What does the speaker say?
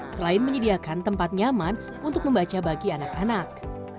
selain menyediakan tempat nyaman untuk membaca bagi anak anak